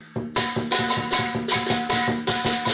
kisah tentang kehidupan yang harmoni